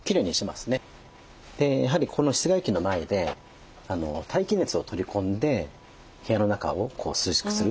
やはり室外機の前で大気熱を取り込んで部屋の中を涼しくする。